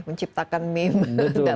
menciptakan meme dalam sekejap